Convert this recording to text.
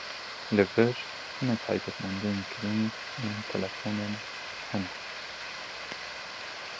Li vir hinek taybetmendîyên girîng ên telefonên hene.